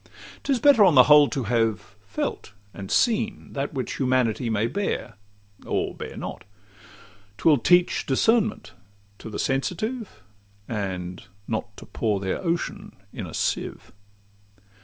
'Tis better on the whole to have felt and seen That which humanity may bear, or bear not: 'Twill teach discernment to the sensitive, And not to pour their ocean in a sieve.